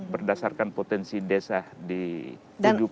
berdasarkan potensi desa di tujuh desa ini